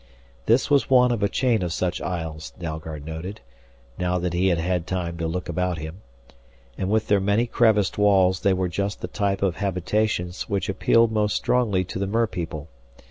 This was one of a chain of such isles, Dalgard noted, now that he had had time to look about him. And with their many creviced walls they were just the type of habitations which appealed most strongly to the merpeople.